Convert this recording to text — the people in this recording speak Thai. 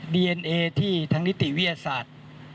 ดีเอ็นเอที่ทางนิติวิทยาศาสตร์